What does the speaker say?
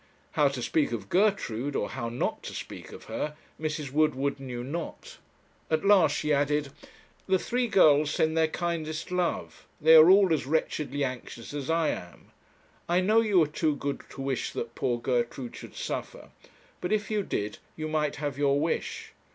How to speak of Gertrude, or how not to speak of her, Mrs. Woodward knew not at last she added: 'The three girls send their kindest love; they are all as wretchedly anxious as I am. I know you are too good to wish that poor Gertrude should suffer, but, if you did, you might have your wish.